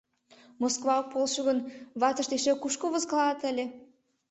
Москва ок полшо гын, ватышт эше кушко возкалат ыле?